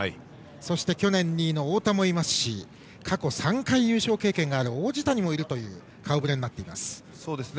そして、去年２位の太田もいますし過去３回の優勝経験がある王子谷もいるという顔ぶれになっています。